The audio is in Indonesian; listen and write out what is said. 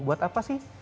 buat apa sih